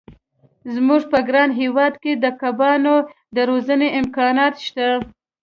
زموږ په ګران هېواد کې د کبانو د روزنې امکانات شته.